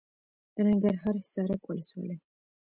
د ننګرهار حصارک ولسوالي .